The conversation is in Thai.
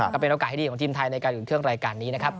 ก็เป็นโอกาสที่ดีของทีมไทยในการอุ่นเครื่องรายการนี้นะครับ